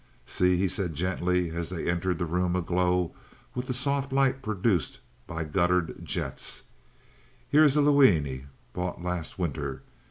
"See," he said, gently, as they entered the room aglow with the soft light produced by guttered jets, "here is a Luini bought last winter."